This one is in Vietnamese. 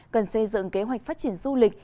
cần xây dựng kế hoạch phát triển du lịch